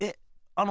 あの？